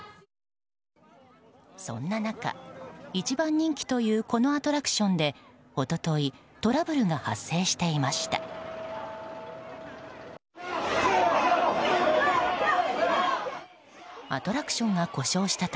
そんな中、一番人気というこのアトラクションで一昨日トラブルが発生していました。